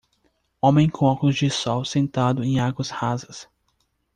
Homem com óculos de sol sentado em águas rasas